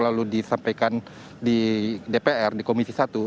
lalu disampaikan di dpr di komisi satu